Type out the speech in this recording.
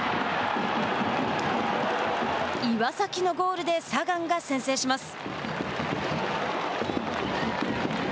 岩崎のゴールでサガンが先制します。